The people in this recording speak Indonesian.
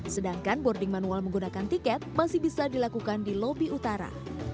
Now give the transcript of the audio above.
sedangkan boarding manual menggunakan tiket masih bisa dilakukan di lobi utara